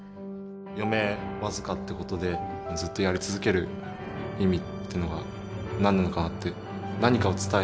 余命僅かって事でずっとやり続ける意味ってのは何なのかなって何かを伝えたいのかなとか。